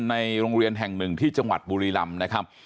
ในโรงเรียนแห่งมึงที่จังหวัดบุรีรำ